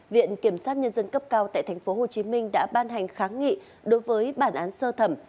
viện kiểm sát nhân dân cấp cao tại tp hcm đã ban hành kháng nghị đối với bản án sơ thẩm